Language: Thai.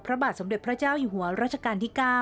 พระบาทสมเด็จพระเจ้าอยู่หัวรัชกาลที่๙